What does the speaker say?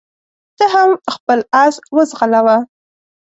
ته هم خپل اس وځغلوه.